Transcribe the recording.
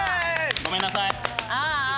ごめんなさい。